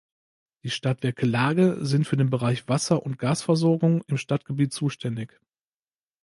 Die "Stadtwerke Lage" sind für den Bereich Wasser- und Gasversorgung im Stadtgebiet zuständig.